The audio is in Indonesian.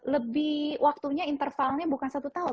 lebih waktunya intervalnya bukan satu tahun